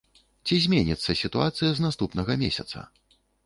Ці зменіцца сітуацыя з наступнага месяца?